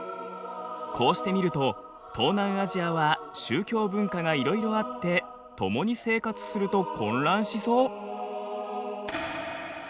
こうして見ると東南アジアは宗教文化がいろいろあって共に生活すると混乱しそう。